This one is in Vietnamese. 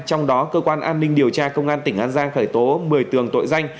trong đó cơ quan an ninh điều tra công an tỉnh an giang khởi tố một mươi tường tội danh